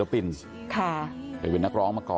พ่อรักถึงมาก